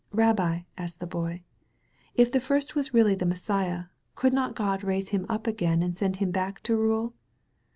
"Rabbi," asked the Boy, "if the first was really the Messiah, could not God raise him up again and send him back to rule?